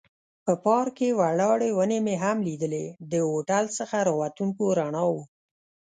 په پارک کې ولاړې ونې مې هم لیدلې، د هوټل څخه را وتونکو رڼاوو.